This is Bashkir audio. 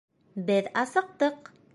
Беҙ асыҡтыҡ!